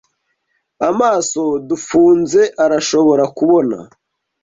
amaso dufunze arashobora kubona